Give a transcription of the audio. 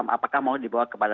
apakah mau dibawa kepada